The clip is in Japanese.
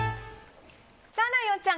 ライオンちゃん